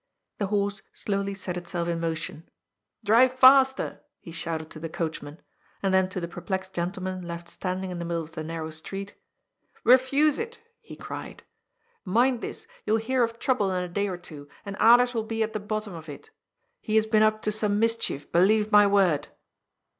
The horse slowly set itself in motion. " Drive faster !" he shouted to the coachman ;— and then to the perplexed gentleman, left standing in the middle of the narrow street :" Refuse it," he cried. " Mind this, you will hear of trouble in a day or two, and Alers will be at the bottom of it He has been up to some mischief, believe my word